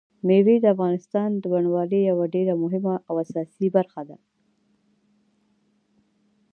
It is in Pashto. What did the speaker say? مېوې د افغانستان د بڼوالۍ یوه ډېره مهمه او اساسي برخه ده.